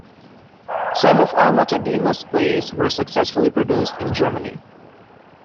Some of Alma-Tadema's plays were successfully produced in Germany.